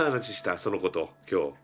その子と今日。